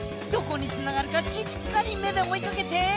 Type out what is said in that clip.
どこにつながるかしっかりめでおいかけて。